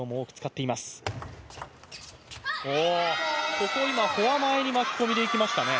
ここ、今、フォア前に巻き込みでいきましたね。